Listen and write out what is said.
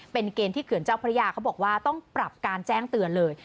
เป็นเกณฑ์ที่เขื่อนเจ้าพระยาเขาบอกว่าต้องปรับการแจ้งเตือนเลย